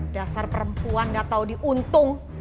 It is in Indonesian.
dasar perempuan gak tau diuntung